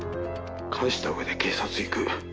返した上で警察行く。